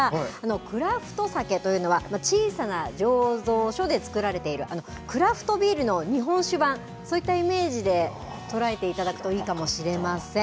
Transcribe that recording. クラフトサケというのは、小さな醸造所で造られている、クラフトビールの日本酒版、そういったイメージで捉えていただくといいかもしれません。